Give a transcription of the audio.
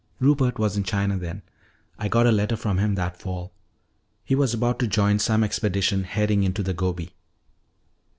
Rupert was in China then. I got a letter from him that fall. He was about to join some expedition heading into the Gobi.